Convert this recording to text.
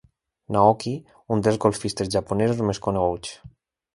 N'Aoki, un dels golfistes japonesos més coneguts.